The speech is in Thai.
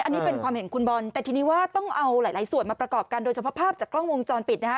อันนี้เป็นความเห็นคุณบอลแต่ทีนี้ว่าต้องเอาหลายส่วนมาประกอบกันโดยเฉพาะภาพจากกล้องวงจรปิดนะฮะ